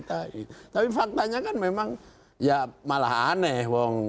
tapi faktanya kan memang ya malah aneh